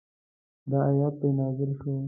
دا آیت پرې نازل شو.